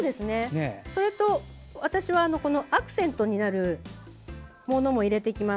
私はアクセントになるものを入れていきます。